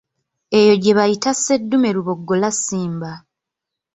Eyo gye bayita sseddume luboggola Ssimba.